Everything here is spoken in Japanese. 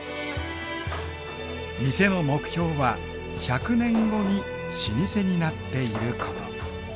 店の目標は１００年後に老舗になっていること。